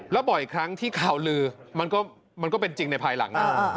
แล้วบ่อยครั้งที่ข่าวลือมันก็เป็นจริงในภายหลัง